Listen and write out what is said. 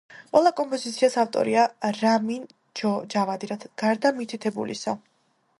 ყველა კომპოზიციის ავტორია რამინ ჯავადი, გარდა მითითებულისა.